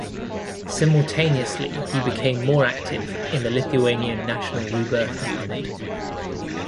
Simultaneously he became more active in the Lithuanian national rebirth movement.